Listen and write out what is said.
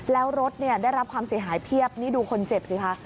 แล้วรถเนี่ยได้รับความเสียหายเพียบนี่ดูคนเจ็บสิคะ